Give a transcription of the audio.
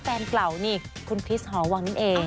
แฟนเปล่านี่คุณคลิสฮว้างนิตเอง